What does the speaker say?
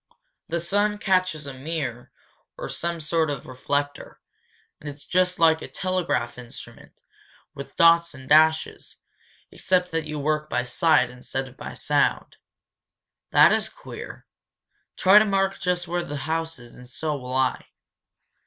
The sun catches a mirror or some sort of reflector, and it's just like a telegraph instrument, with dots and dashes, except that you work by sight instead of by sound. That is queer. Try to mark just where the house is, and so will I."